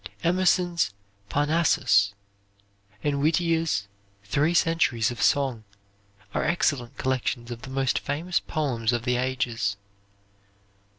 Emerson's Parnassus, and Whittier's "Three Centuries of Song" are excellent collections of the most famous poems of the ages.